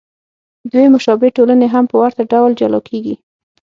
دوې مشابه ټولنې هم په ورته ډول جلا کېږي.